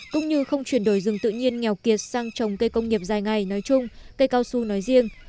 cũng như không chuyển đổi rừng tự nhiên nghèo kiệt sang trồng cây công nghiệp dài ngày nói chung cây cao su nói riêng